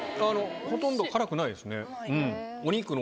ほとんど辛くないですね。